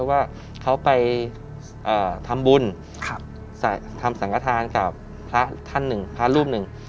ว่าเขาไปทำบุญทำสังฆฐานกับพระท่านหนึ่งพระรูปหนึ่ง